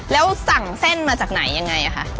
แล้วสั่งเส้นมาจากไหนยังไงคะ